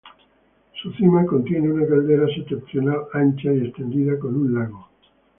Su cima contiene una caldera septentrional ancha y extendida con un lago.